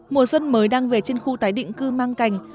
mùa xuân mới đang về trên khu tái định cư mang cành